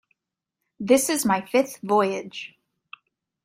This is my fifth voyage.